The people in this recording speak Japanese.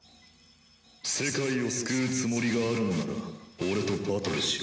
世界を救うつもりがあるのなら俺とバトルしろ。